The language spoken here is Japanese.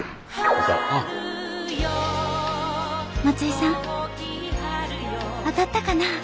松井さん当たったかな？